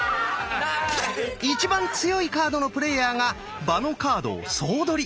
一番強いカードのプレーヤーが場のカードを総取り。